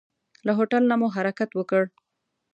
له هوټل نه مو حرکت وکړ.